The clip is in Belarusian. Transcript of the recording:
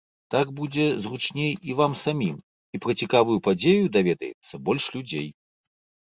Так будзе зручней і вам самім, і пра цікавую падзею даведаецца больш людзей.